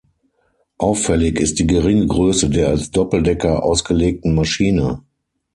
Auffällig ist die geringe Größe der als Doppeldecker ausgelegten Maschine.